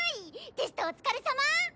テストお疲れさま！